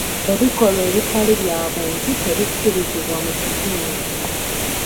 Ebikolwa ebitali bya buntu tebikkirizibwa mu kitundu.